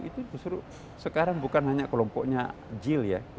itu justru sekarang bukan hanya kelompoknya jil ya